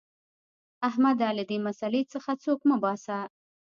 احمده! له دې مسئلې څخه سوک مه باسه.